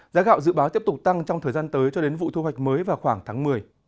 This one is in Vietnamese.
giá gạo dự báo tiếp tục tăng trong thời gian tới cho đến vụ thu hoạch mới vào khoảng tháng một mươi